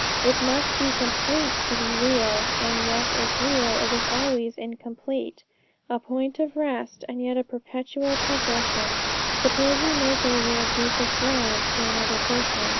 It must be complete to be real, and yet if real, it is always incomplete; a point of rest, and yet a perpetual progression. Suppose you make over a piece of ground to another person.